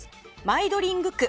マイドリング区。